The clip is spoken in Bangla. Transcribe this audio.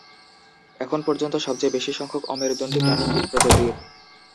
এখন পর্যন্ত সবচেয়ে বেশি সংখ্যক অমেরুদণ্ডী প্রাণী কীট প্রজাতির।